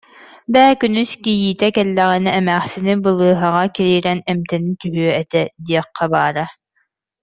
Бээ, күнүс кийиитэ кэллэҕинэ эмээхсини балыыһаҕа киирэн эмтэнэ түһүө этэ диэххэ баара